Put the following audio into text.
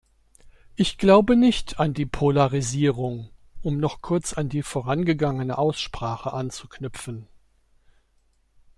Ich glaube nicht an die Polarisierung, um noch kurz an die vorangegangene Aussprache anzuknüpfen.